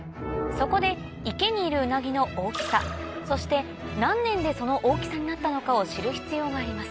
そこで池にいるウナギの大きさそして何年でその大きさになったのかを知る必要があります